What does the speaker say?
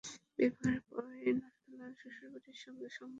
বিবাহের পরেই নন্দলাল শ্বশুরবাড়ির সঙ্গে সম্পর্ক তুলিয়া দিয়াছে।